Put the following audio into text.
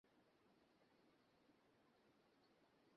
যেভাবেই হোক আমাদেরকে বাঁচান, মাস্টার।